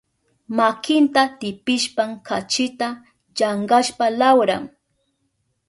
Makinta pitishpan kachita llankashpan lawran.